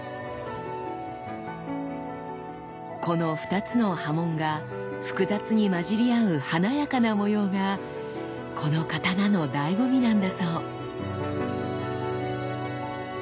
この２つの刃文が複雑にまじり合う華やかな模様がこの刀のだいご味なんだそう。